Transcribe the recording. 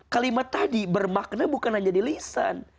kalimat tadi bermakna bukan hanya di lisan